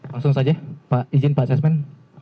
langsung saja pak izin pak sesmen